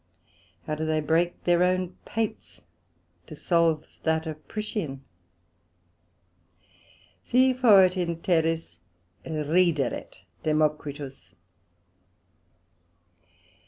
How do they break their own pates to salve that of Priscian! Si foret in terris, rideret Democritus.